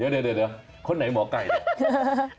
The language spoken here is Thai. เดี๋ยวคนไหนหมอไก่เนี่ย